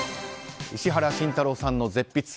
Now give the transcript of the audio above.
石原慎太郎さんの絶筆。